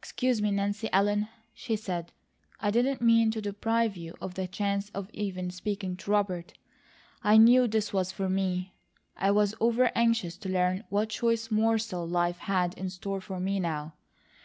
"Excuse me, Nancy Ellen," she said. "I didn't mean to deprive you of the chance of even speaking to Robert. I KNEW this was for me; I was over anxious to learn what choice morsel life had in store for me now.